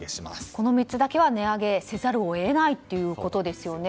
この３つだけは値上げせざるを得ないということですよね。